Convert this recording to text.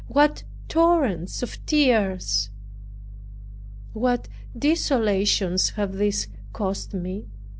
What torrents of tears, what desolations have these cost me?